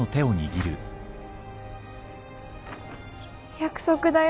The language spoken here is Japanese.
約束だよ？